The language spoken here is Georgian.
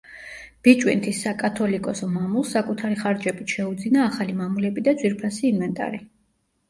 ბიჭვინთის საკათოლიკოსო მამულს საკუთარი ხარჯით შეუძინა ახალი მამულები და ძვირფასი ინვენტარი.